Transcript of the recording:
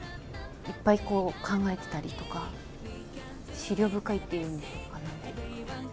いっぱいこう、考えてたりとか、思慮深いっていうんでしょうかね。